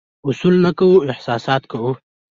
اصول نه کوو، احساسات کوو.